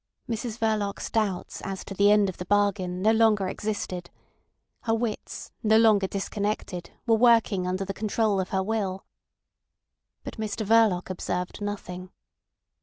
Mrs Verloc's doubts as to the end of the bargain no longer existed; her wits, no longer disconnected, were working under the control of her will. But Mr Verloc observed nothing.